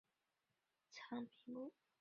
古乳齿象是已灭绝的长鼻目。